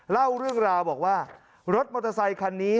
เล่าเรื่องราวบอกว่ารถมอเตอร์ไซคันนี้